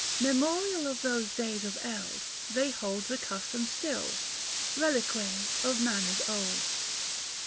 Memorial of those days of eld, they hold The custom still — relique of manners old.